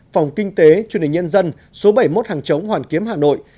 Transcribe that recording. phòng kinh tế truyền hình nhân dân số bảy mươi một hàng chống hoàn kiếm hà nội